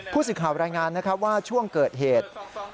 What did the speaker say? ผู้สื่อข่าวรายงานนะครับว่าช่วงเกิดเหตุ